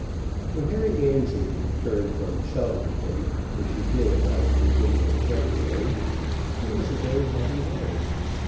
When Harry Annesley returned from Cheltenham, which he did about the beginning of February, he was a very happy man.